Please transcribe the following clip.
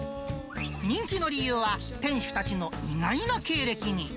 人気の理由は、店主たちの意外な経歴に。